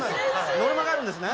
ノルマがあるんですね。